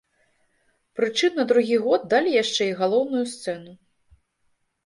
Прычым, на другі год далі яшчэ і галоўную сцэну.